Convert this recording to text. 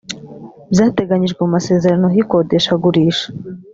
byateganyijwe mu masezerano y’ikodeshagurisha